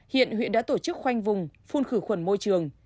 hiện huyện đã tổ chức khoanh vùng phun khử khuẩn môi trường